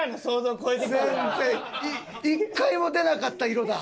１回も出なかった色だ！